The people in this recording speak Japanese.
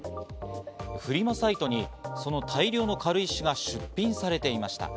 フリマサイトにその大量の軽石が出品されていました。